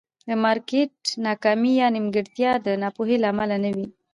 د مارکېټ ناکامي یا نیمګړتیا د ناپوهۍ له امله نه وي.